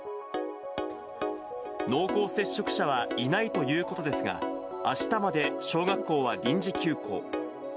濃厚接触者はいないということですが、あしたまで小学校は臨時休校。